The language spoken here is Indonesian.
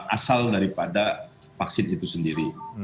asal daripada vaksin itu sendiri